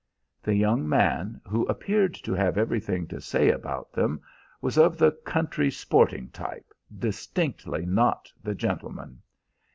The young man, who appeared to have everything to say about them, was of the country sporting type, distinctly not the gentleman.